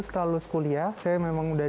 kalau kuliah saya memang udah